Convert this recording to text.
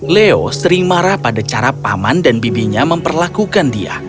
leo sering marah pada cara paman dan bibinya memperlakukan dia